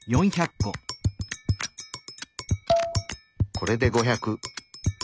これで５００。